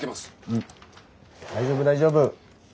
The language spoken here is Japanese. うん大丈夫大丈夫。